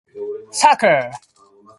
Sucker.